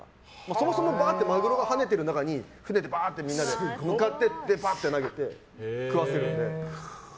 そもそもマグロがはねている中に船でばーってみんなで向かっていって投げて食わせるので。